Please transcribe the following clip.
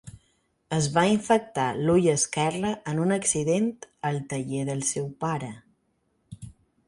Es va infectar l'ull esquerre en un accident al taller del seu pare.